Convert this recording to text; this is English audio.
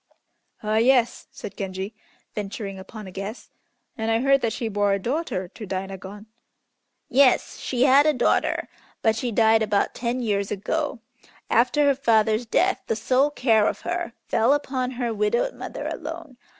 "Ah, yes," said Genji, venturing upon a guess, "and I heard that she bore a daughter to Dainagon." "Yes, she had a daughter, but she died about ten years ago. After her father's death the sole care of her fell upon her widowed mother alone.